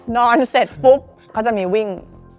เสร็จปุ๊บเขาจะมีวิ่ง